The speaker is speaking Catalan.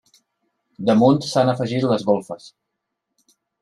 Damunt s'han afegit les golfes.